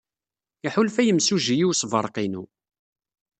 Iḥulfa yimsujji i ussebreq-inu.